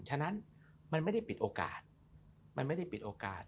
ฉะนั้นมันไม่ได้ปิดโอกาสมันไม่ได้ปิดโอกาส